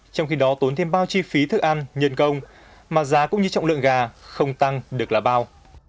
trong khi đó tốn thêm bao chi phí thức ăn nhân công mà giá cũng như trọng lượng gà không tăng được là bao